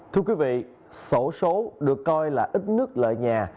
thưa quý vị sổ số được coi là ít nước lợi nhà